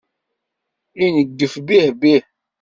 Ineggef bih-bih.